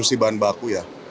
industri bahan baku ya